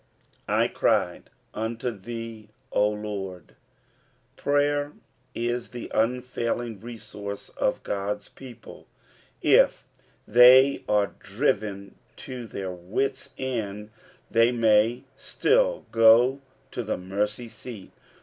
" lerud to t^M, d Lord.'^ Prayer is tho unftuling resource of Ood'a people. If they are driven to their wits' end, they may still go to tho mercy seat.